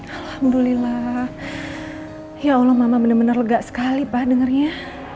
alhamdulillah ya allah mama benar benar lega sekali pak dengarnya